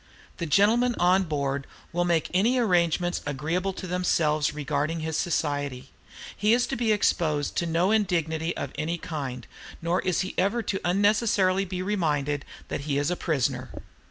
"The gentlemen on board will make any arrangements agreeable to themselves regarding his society. He is to be exposed to no indignity of any kind, nor is he ever unnecessarily to be reminded that he is a prisoner.